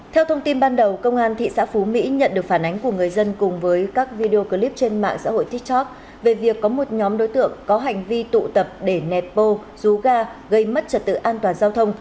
theo thông tin ban đầu công an thị xã phú mỹ nhận được phản ánh của người dân cùng với các video clip trên mạng xã hội tiktok về việc có một nhóm đối tượng có hành vi tụ tập để nẹp bô rú ga gây mất trật tự an toàn giao thông